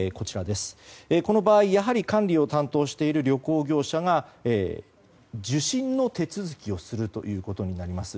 この場合、やはり管理を担当している旅行業者が受診の手続きをすることになります。